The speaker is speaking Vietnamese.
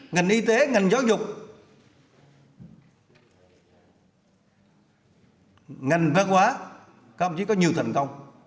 ngành y tế ngành giáo dục ngành văn hóa các ông chí có nhiều thành công